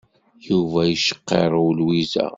Yuba yecqarrew Lwiza.